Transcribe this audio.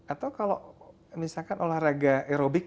atau kalau misalkan olahraga aerobik